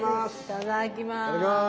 いただきます。